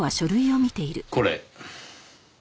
これ。